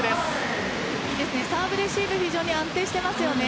サーブレシーブ非常に安定していますよね。